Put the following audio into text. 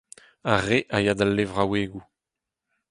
Ar re a ya d'al levraouegoù.